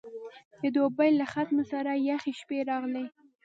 د دوبي له ختمه سره یخې شپې راغلې.